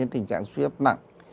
tình trạng suy ấp mặn